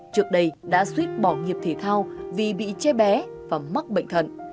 trước đây đã suýt bỏ nghiệp thể thao vì bị che bé và mắc bệnh thận